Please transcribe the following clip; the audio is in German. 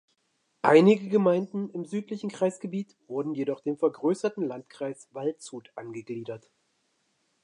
Einige Gemeinden im südlichen Kreisgebiet wurden jedoch dem vergrößerten Landkreis Waldshut angegliedert.